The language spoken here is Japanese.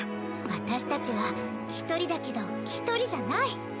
私たちは一人だけど一人じゃない。